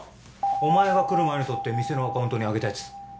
お前が来る前に撮って店のアカウントに上げたやつ。